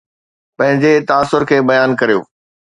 پنهنجي تاثر کي بيان ڪريو